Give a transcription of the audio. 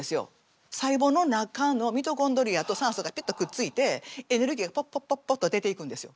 細胞の中のミトコンドリアと酸素がピュッとくっついてエネルギーがパッパッパッパッと出ていくんですよ。